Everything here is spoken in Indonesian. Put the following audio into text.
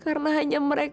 karena hanya mereka